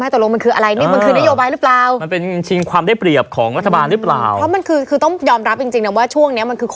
ตรงนั้นมันใช่เหรอตรงนั้นมันได้ไหม